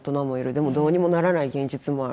でもどうにもならない現実もある。